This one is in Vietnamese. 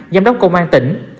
giám đốc công an tỉnh